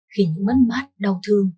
khi những mắt mắt đau thương